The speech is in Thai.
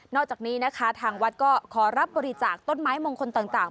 อกจากนี้นะคะทางวัดก็ขอรับบริจาคต้นไม้มงคลต่าง